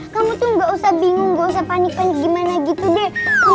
kamu tuh nggak usah bingung gosok panik gimana gitu deh